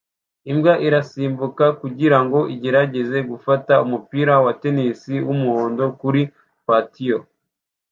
Imbwa irasimbuka kugirango igerageze gufata umupira wa tennis wumuhondo kuri patio